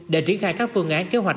để triển khai các phương án kế hoạch